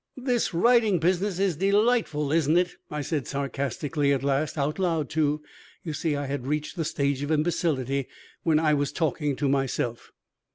"This writing business is delightful, isn't it?" I said sarcastically at last, out loud, too. You see, I had reached the stage of imbecility when I was talking to myself.